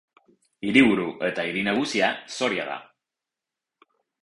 Hiriburu eta hiri nagusia Soria da.